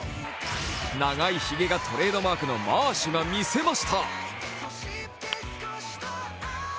長いひげがトレードマークのマーシュがみせました。